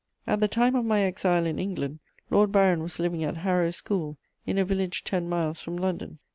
At the time of my exile in England, Lord Byron was living at Harrow School, in a village ten miles from London.